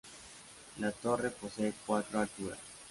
La torre posee cuatro alturas.